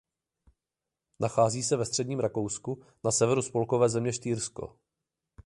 Nachází se ve středním Rakousku na severu spolkové země Štýrsko.